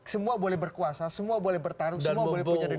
semua boleh berkuasa semua boleh bertarung semua boleh punya diri